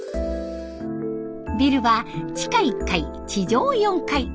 ビルは地下１階地上４階。